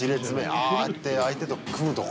あああやって相手と組むとこ？